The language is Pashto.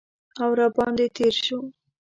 او را باندې تیر شو